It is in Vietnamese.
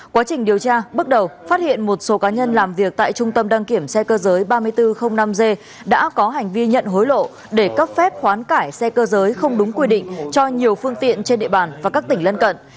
quá trình điều tra bước đầu phát hiện một số cá nhân làm việc tại trung tâm đăng kiểm xe cơ giới ba nghìn bốn trăm linh năm g đã có hành vi nhận hối lộ để cấp phép khoán cải xe cơ giới không đúng quy định cho nhiều phương tiện trên địa bàn và các tỉnh lân cận